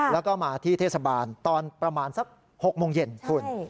แล้วก็มาที่เทศบาลตอนประมาณสัก๖โมงเย็นคุณ